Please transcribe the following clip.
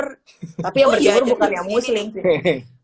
tapi yang berjemur bukan yang muslim sih